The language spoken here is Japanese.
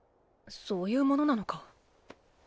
そういうものなのか？